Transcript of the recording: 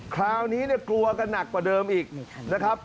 คราวนี้เนี่ยกลัวกันหนักกว่าเดิมอีกนะครับ